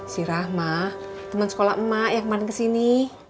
si rahma teman sekolah mak yang kemarin kesini